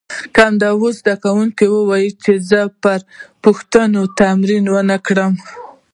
کم داسې زده کوونکي وو چې پر پوښتنو تمرین ونه کړي.